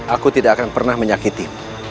aku tidak akan pernah menyakitimu